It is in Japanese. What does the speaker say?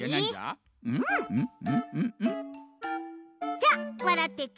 じゃあわらってち。